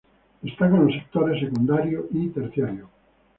Destacan los sectores secundario y terciario.